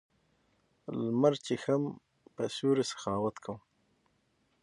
لمر چېښم په سیوري سخاوت کوم